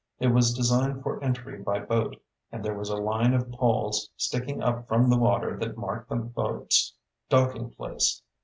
It was designed for entry by boat, and there was a line of poles sticking up from the water that marked the boat's docking place.